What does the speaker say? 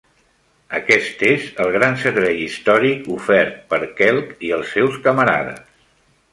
Aquest és el gran servei històric ofert per Quelch i els seus camarades.